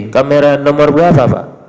kamera nomor berapa pak